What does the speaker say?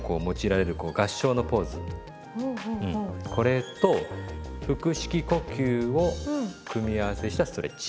これと腹式呼吸を組み合わせしたストレッチ。